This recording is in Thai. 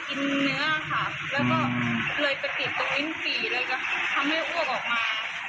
ทำให้อ้วกออกมา